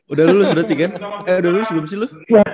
udah lulus berarti kan eh udah lulus belum sih lu